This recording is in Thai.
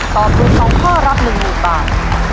ตอบถูกสองข้อรับหนึ่งหมื่นบาท